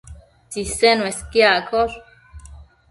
Tsisen uesquiaccosh